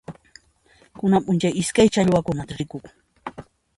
Kunan p'unchay iskay challwaqkunata rikukun.